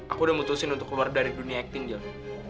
aku udah mutusin untuk keluar dari dunia akting jel